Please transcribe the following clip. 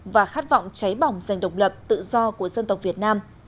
và khát vọng cháy bỏng dành độc lập tự do của dân tộc việt nam